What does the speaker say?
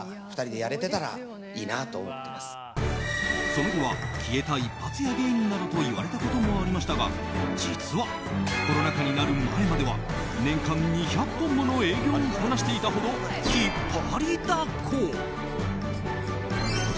その後は消えた一発屋芸人などと言われたこともありましたが実はコロナ禍になる前までは年間２００本もの営業をこなしていたほど引っ張りだこ。